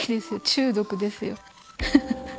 中毒ですよ。